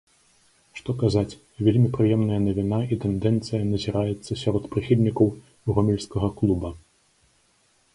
Што казаць, вельмі прыемная навіна і тэндэнцыя назіраецца сярод прыхільнікаў гомельскага клуба.